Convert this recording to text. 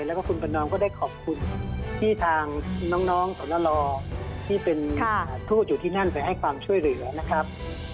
แล้วก็คุณประนอมก็ได้ขอบคุณที่ทางน้องสนรอที่เป็นทูตอยู่ที่นั่นไปให้ความช่วยเหลือนะครับ